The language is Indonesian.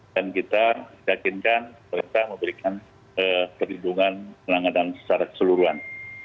dan kita yakin mereka memberikan perlindungan selang langganan secara keseluruhan